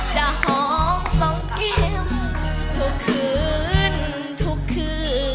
หอมสองแก้มทุกคืนทุกคืน